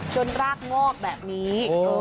รากงอกแบบนี้